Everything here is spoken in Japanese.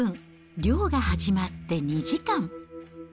漁が始まって２時間。